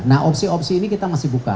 nah opsi opsi ini kita masih buka